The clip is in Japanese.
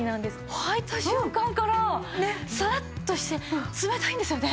はいた瞬間からサラッとして冷たいんですよね。